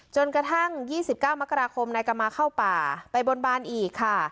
จนกระทั่งยี่สิบเก้ามกราคมนายกรรมมาเข้าป่าไปบนบานอีกค่ะ